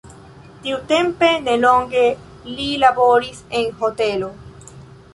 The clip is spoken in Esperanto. Tiutempe nelonge li laboris en hotelo.